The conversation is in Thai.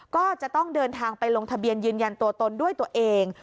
ก็จะต้องเดินทางไปลงทะเบียนยืนยันตัวตนด้วยตัวเอง